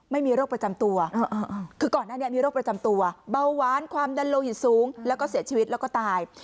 ไม่มีโรคประจำตัวคือก่อนหน้านี้มีโรคประจำตัวเบาหวานความดันโลหิตสูงแล้วก็เสียชีวิตแล้วก็ตาย